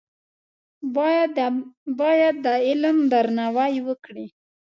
باید د علم درناوی وکړې.